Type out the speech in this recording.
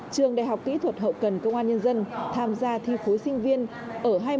trường đại học kỹ thuật hậu cần công an nhân dân tham gia thi phối sinh viên ở hai môn đại số và giải tích